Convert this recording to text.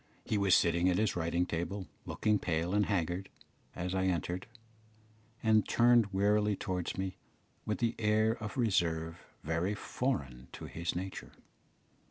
He was sitting at his writing table looking pale and haggard, as I entered, and turned wearily towards me with an air of reserve very foreign to his nature.